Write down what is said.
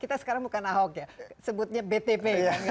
kita sekarang bukan ahok ya sebutnya btp ya